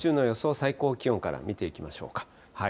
最高気温から見ていきましょうか。